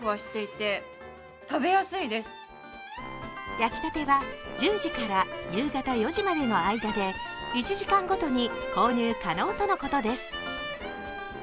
焼きたては１０時から夕方４時までの間で１時間ごとに購入可能とのことです